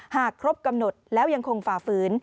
หากครบกำหนดแล้วยังคงฝ่าฝืน